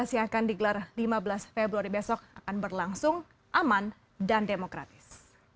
dua ribu tujuh belas yang akan digelar lima belas februari besok akan berlangsung aman dan demokratis